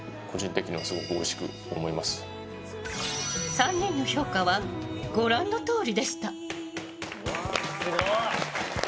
３人の評価はご覧のとおりでした。